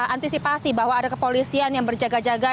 dan antisipasi bahwa ada kepolisian yang berjaga jaga